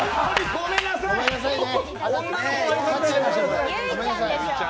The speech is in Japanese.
ごめんなさいね。